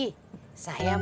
saya mau dateng ke temen temen